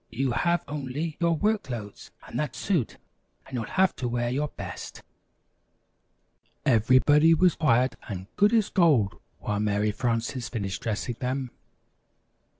You have only your work clothes and that suit and you'll have to wear your best." Everybody was quiet and good as gold while Mary Frances finished dressing them.